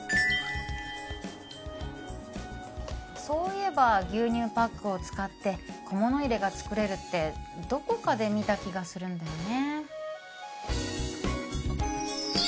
そういえば牛乳パックを使って小物入れが作れるってどこかで見た気がするんだよね